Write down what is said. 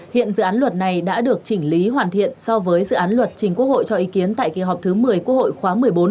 hiện dự án luật này đã được chỉnh lý hoàn thiện so với dự án luật chính quốc hội cho ý kiến tại kỳ họp thứ một mươi quốc hội khóa một mươi bốn